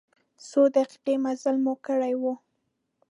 څو دقیقې مزل مو کړی و.